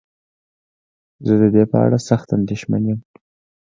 زه ددې په اړه سخت انديښمن يم.